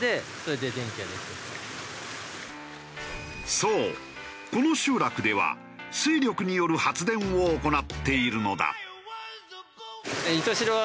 そうこの集落では水力による発電を行っているのだ。